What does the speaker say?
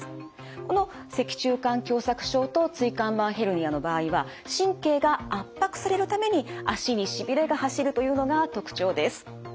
この脊柱管狭窄症と椎間板ヘルニアの場合は神経が圧迫されるために脚にしびれが走るというのが特徴です。